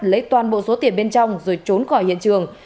lấy toàn bộ số tiền bên trong rồi trốn khỏi hiện trường